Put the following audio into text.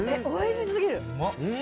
おいしいすぎる。